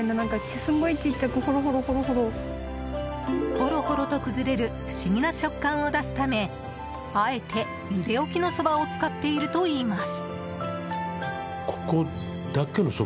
ほろほろと崩れる不思議な食感を出すためあえて、ゆでおきのそばを使っているといいます。